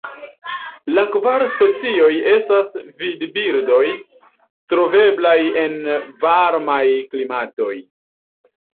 La kvar specioj estas vadbirdoj troveblaj en varmaj klimatoj.